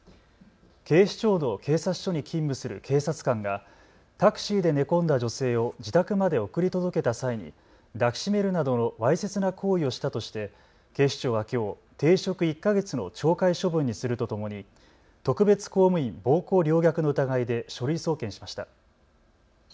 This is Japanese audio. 警視庁の警察署に勤務する警察官がタクシーで寝込んだ女性を自宅まで送り届けた際に抱き締めるなどのわいせつな行為をしたとして警視庁はきょう停職１か月の懲戒処分にするとともに特別公務員暴行陵虐の疑いで書類送検しました。